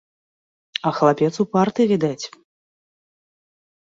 А хлапец упарты, відаць.